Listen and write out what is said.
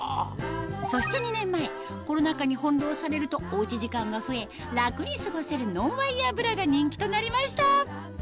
そして２年前コロナ禍に翻弄されるとおうち時間が増え楽に過ごせるノンワイヤーブラが人気となりました